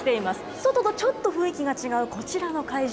外とちょっと雰囲気が違うこちらの会場。